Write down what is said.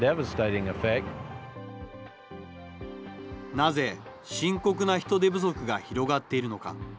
なぜ深刻な人手不足が広がっているのか。